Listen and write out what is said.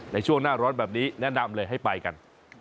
ในช่วงหน้าร้อนแบบนี้แนะนำเลยให้ไปกัน